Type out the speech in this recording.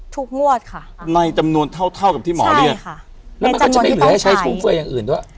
งวดค่ะในจำนวนเท่าเท่ากับที่หมอเรียกค่ะแล้วมันก็จะไม่เหลือให้ใช้ฝูงเฟืออย่างอื่นด้วย